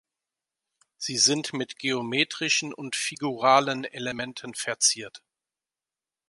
Sie sind mit geometrischen und figuralen Elementen verziert.